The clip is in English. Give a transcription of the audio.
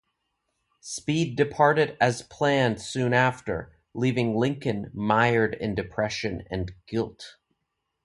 Speed departed as planned soon after, leaving Lincoln mired in depression and guilt.